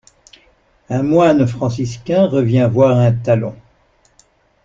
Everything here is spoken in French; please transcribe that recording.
Un moine franciscain revient voir un talon!